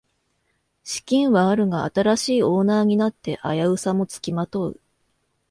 資金はあるが新しいオーナーになって危うさもつきまとう